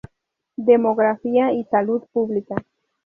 Demografía y salud pública.